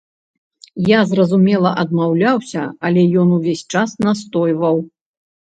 Я, зразумела, адмаўляўся, але ён увесь час настойваў.